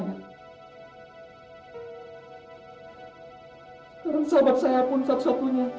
terus sahabat saya pun satu satunya